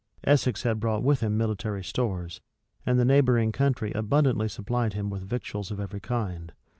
Essex had brought with him military stores; and the neighboring country abundantly supplied him with victuals of every kind.